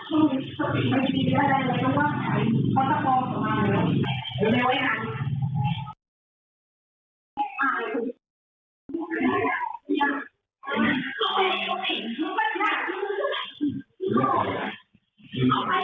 ตอนนี้นี่ก็เป็นอะไรเนี่ยอาจจะอย่างน้อยนะ